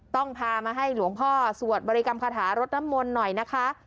ต้องพามาให้หลวงพ่อสวดบริกรรมคาถารถน้ำมนต์หน่อยนะคะ